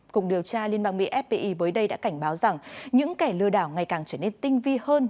cùng điều tra liên bang mỹ fbi bới đây đã cảnh báo rằng những kẻ lừa đảo ngày càng trở nên tinh vi hơn